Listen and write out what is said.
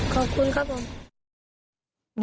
ขอบคุณครับผม